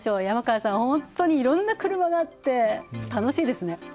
山川さん、本当にいろんな車があって楽しいですね。